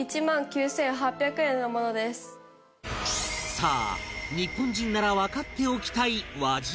さあ日本人ならわかっておきたい輪島塗